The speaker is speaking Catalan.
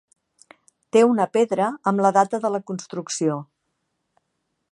Té una pedra amb la data de la construcció.